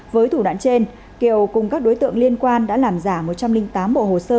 với thủ đoạn trên kiều cùng các đối tượng liên quan đã làm giả một trăm linh tám bộ hồ sơ